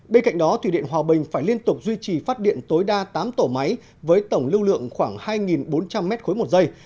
bên cạnh đó thủy điện hòa bình phải liên tục duy trì phát điện tối đa tám tổ máy với tổng lưu lượng khoảng hai bốn trăm linh m ba một giây